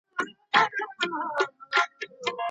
لوړ استعداد د بریا لپاره یوازي یو شرط دی خو کافي نه دی.